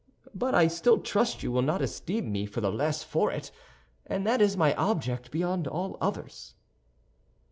But I still trust you will not esteem me the less for it, and that is my object beyond all others."